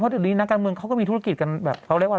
พ่อดิดินนักการมืองเขาก็มีธุรกิจกันแบบเขาเรียกว่า